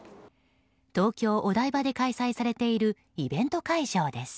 東京・お台場で開催されているイベント会場です。